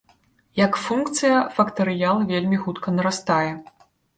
Як функцыя, фактарыял вельмі хутка нарастае.